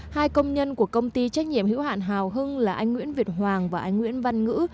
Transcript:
hai công nhân của công ty trách nhiệm hữu hạn hào hưng là anh nguyễn việt hoàng và anh nguyễn văn ngữ